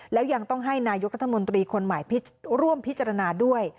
แล้วยังต้องให้นายกรัฐมนตรีคนใหม่ร่วมพิจารณาด้วย